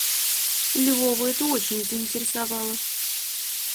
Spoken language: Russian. Львова это очень заинтересовало.